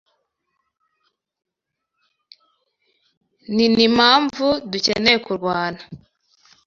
Ninimpamvu dukeneye kurwana.